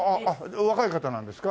若い方なんですか？